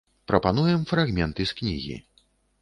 Прапануем фрагменты з кнігі.